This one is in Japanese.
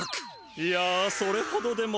いやそれほどでも。